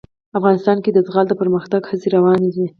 افغانستان کې د زغال د پرمختګ هڅې روانې دي.